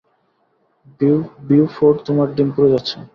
Beaufort, তোমার ডিম পুড়ে যাচ্ছে।